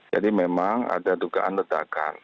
jadi memang ada tugaan ledakan